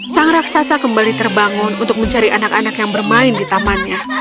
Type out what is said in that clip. sang raksasa kembali terbangun untuk mencari anak anak yang bermain di tamannya